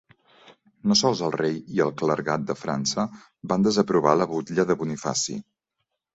No sols el rei i el clergat de França van desaprovar la butlla de Bonifaci.